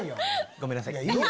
ごめんなさい。